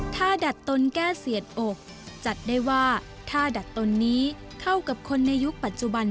ถ้าดัดตนแก้เสียดอกจัดได้ว่าถ้าดัดตนนี้เข้ากับคนในยุคปัจจุบัน